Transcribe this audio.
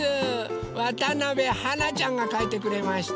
わたなべはなちゃんがかいてくれました。